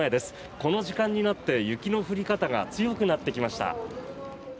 この時間になって雪の降り方が強くなってきました。